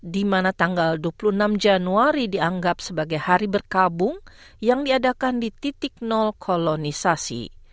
di mana tanggal dua puluh enam januari dianggap sebagai hari berkabung yang diadakan di titik nol kolonisasi